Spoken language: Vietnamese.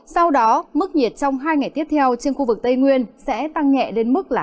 sau đó mức nhiệt trong hai ngày tiếp theo trên khu vực tây nguyên sẽ tăng nhẹ đến mức hai mươi bảy ba mươi độ